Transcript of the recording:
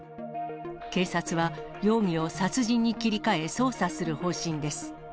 警察は容疑を殺人に切り替え、捜査する方針です。